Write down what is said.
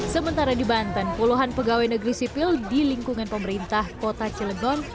sementara di banten puluhan pegawai negeri sipil di lingkungan pemerintah kota cilegon